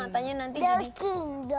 matanya nanti jadi